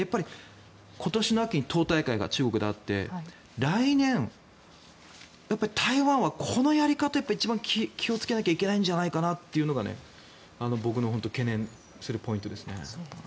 今年の秋に党大会が中国であって来年、台湾はこのやり方一番気をつけなきゃいけないんじゃないかなというのが僕の懸念するポイントですね。